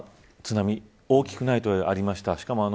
津波が大きくないとありました。